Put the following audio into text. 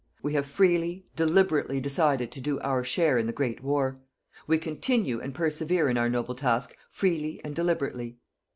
We have freely, deliberately, decided to do our share in the great war. We continue and persevere in our noble task, freely and deliberately.